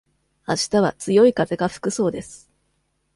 あしたは強い風が吹くそうです。